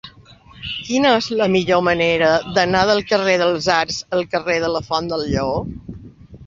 Quina és la millor manera d'anar del carrer dels Arcs al carrer de la Font del Lleó?